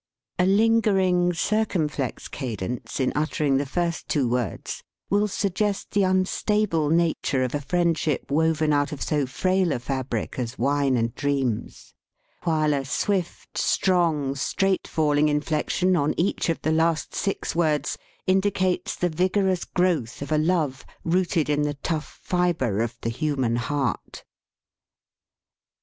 A lingering circumflex ca 59 THE SPEAKING VOICE dence in uttering the first two words will sug gest the unstable nature of a friendship woven out of so frail a fabric as wine and dreams, while a swift, strong, straight falling inflec tion on each of the last six words indicates the vigorous growth of a love rooted in the tough fibre of the human heart.